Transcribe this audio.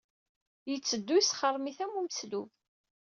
Yetteddu yesxermit am umeslub.